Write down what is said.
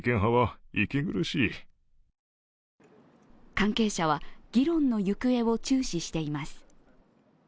関係者は議論の行方を注視しています。